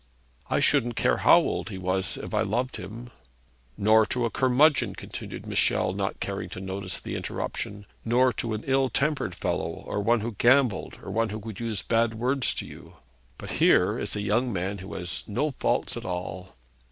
'I shouldn't care how old he was if I loved him.' 'Nor to a curmudgeon,' continued Michel, not caring to notice the interruption, 'nor to an ill tempered fellow, or one who gambled, or one who would use bad words to you. But here is a young man who has no faults at all.'